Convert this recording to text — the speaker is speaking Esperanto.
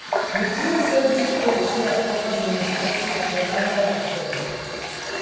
Li plue servis kiel sia propra Ministro pri eksterlandaj aferoj.